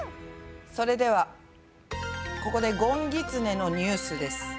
それではここでごんぎつねのニュースです。